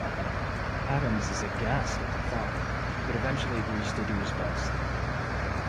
Adams is aghast at the thought, but eventually agrees to do his best.